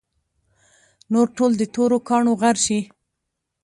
نور ټول د تورو کاڼو غر شي.